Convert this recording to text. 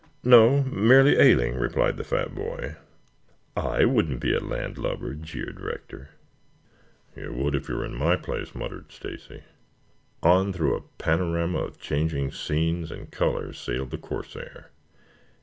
"No; merely ailing," replied the fat boy. "I wouldn't be a landlubber," jeered Rector. "You would, if you were in my place," muttered Stacy. On through a panorama of changing scenes and colors sailed the "Corsair."